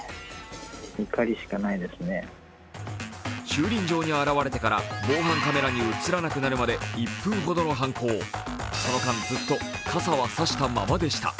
駐輪場に現れてから防犯カメラに映らなくなるまで１分ほどの犯行その間、ずっと傘は差したままでした。